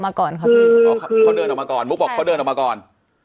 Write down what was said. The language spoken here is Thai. มาก่อนเขาเดินออกมาก่อนเขาเดินออกมาก่อน